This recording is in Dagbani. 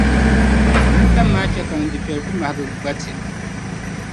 n nintam maa chɛ ka n dufɛli kuli mahigi gbati.